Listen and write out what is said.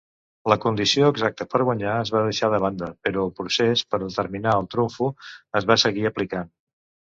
La condició exacta per guanyar es va deixar de banda, però el procés per determinar el trumfo es va seguir aplicant.